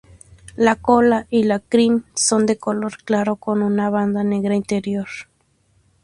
La cola y la crin son de color claro con una banda negra interior.